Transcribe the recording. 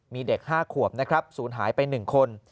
มีเด็ก๕ขวบซูนหายไป๑คน